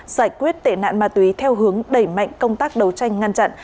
giải quyết tệ nạn ma túy theo hướng đẩy mạnh công tác đấu tranh ngăn chặn